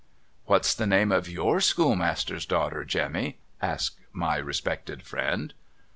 ' What's the name of your schoolmaster's daughter, Jemmy ?' asks my respected friend.